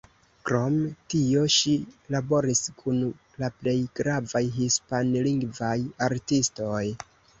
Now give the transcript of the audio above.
Krom tio ŝi laboris kun la plej gravaj hispanlingvaj artistoj.